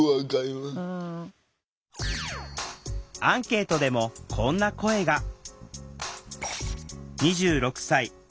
アンケートでもこんな声が。